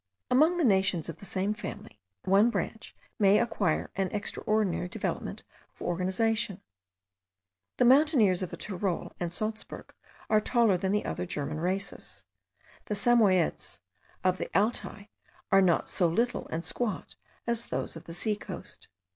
Among the nations of the same family, one branch may acquire an extraordinary development of organization. The mountaineers of the Tyrol and Salzburgh are taller than the other Germanic races; the Samoiedes of the Altai are not so little and squat as those of the sea coast.